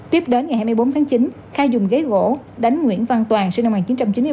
tiếp đến ngày hai mươi bốn tháng chín khai dùng ghế gỗ đánh nguyễn văn toàn sinh năm một nghìn chín trăm chín mươi ba